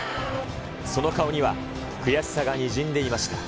その顔には、悔しさがにじんでいました。